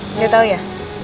nggak tahu ya